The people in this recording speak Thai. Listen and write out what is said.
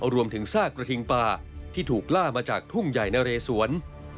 รวมถึงซากกระทิงป่าที่ถูกล่ามาจากทุ่งใหญ่นะเรสวน